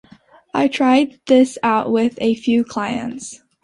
I tried this out with a few clients.